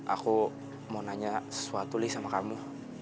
aku mau nanya sesuatu nih sama kamu